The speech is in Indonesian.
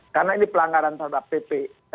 karena ini pelanggaran terhadap pp